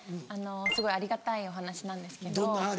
すごいありがたいお話なんですけど。